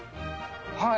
はい。